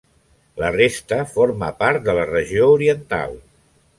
La resta forma part de la Regió Oriental.